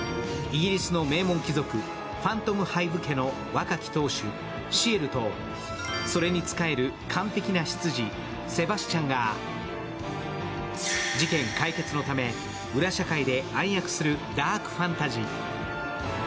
イギリスの名門貴族・ファントムハイヴ家の若き当主・シエルとそれに仕える完璧な執事・セバスチャンが事件解決のため裏社会で暗躍するダークファンタジー。